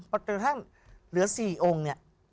พอเจอท่านเหลือสี่องค์เนี่ย